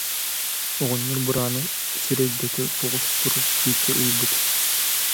оҕонньор бырааны сирэйдэтэ соҕус турар тиити ыйбыт